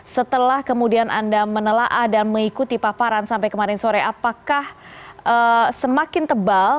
setelah kemudian anda menelaah dan mengikuti paparan sampai kemarin sore apakah semakin tebal